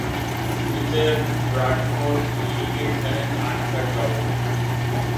শুরুতে ব্রাডফোর্ড লীগে খেলেন আর্থার ডলফিন।